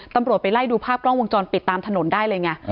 ตำรวจไปไล่ดูภาพกล้องวงจรปิดตามถนนได้เลยไง